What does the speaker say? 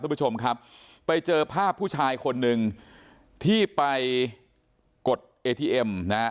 คุณผู้ชมครับไปเจอภาพผู้ชายคนหนึ่งที่ไปกดเอทีเอ็มนะฮะ